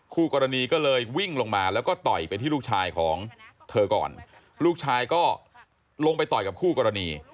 คู่กรณีก็เลยวิ่งลงมาแล้วก็ต่อยไปที่ลูกชายของเธอก่อนลูกชายก็ลงไปต่อยกับคู่กรณี